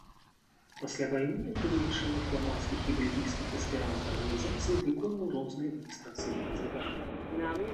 Пасля вайны ён, па даручэнні фламандскіх і бельгійскіх эсперанта арганізацый, выконваў розныя адміністрацыйныя заданні.